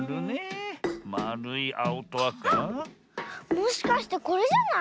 もしかしてこれじゃない？